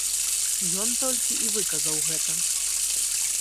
Ён толькі і выказаў гэта.